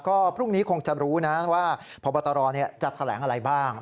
ก็พรุ่งนี้คงจะรู้นะว่าพบตรจะแถลงอะไรบ้าง